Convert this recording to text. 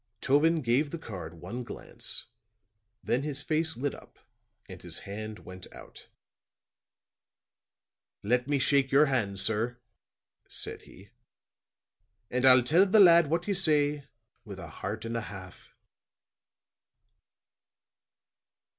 Tobin gave the card one glance, then his face lit up and his hand went out. "Let me shake your hand, sir," said he. "And I'll tell the lad what you say with a heart and a half."